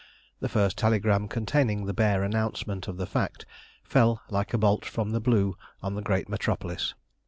The first telegram containing the bare announcement of the fact fell like a bolt from the blue on the great Metropolis.